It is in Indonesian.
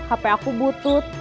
hp aku butut